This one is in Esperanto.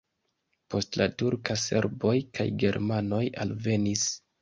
Post la turka serboj kaj germanoj alvenis.